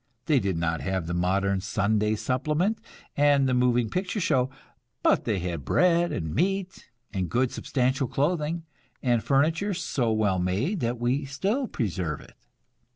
They did not have the modern Sunday supplement and the moving picture show, but they had bread and meat and good substantial clothing, and furniture so well made that we still preserve it.